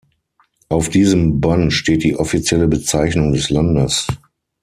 Auf diesem Band steht die offizielle Bezeichnung des Landes.